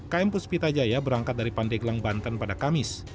km puspita jaya berangkat dari pandeglang banten pada kamis